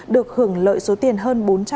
được hưởng lợi số tiền hơn